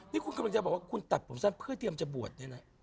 นี่คุณกำลังจะบอกว่าคุณตัดผมสั้นเพื่อเตรียมจะบวชเนี่ยนะ